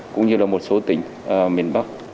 cũng như là một số tỉnh miền bắc